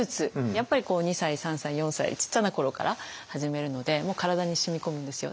やっぱり２歳３歳４歳ちっちゃな頃から始めるのでもう体にしみこむんですよ。